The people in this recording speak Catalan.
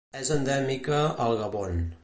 És endèmica al Gabon.